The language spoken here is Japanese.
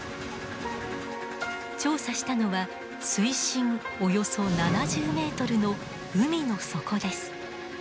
調査したのは水深およそ７０メートルの海の底です。